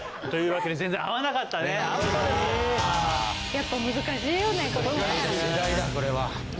やっぱ難しいよねこれね。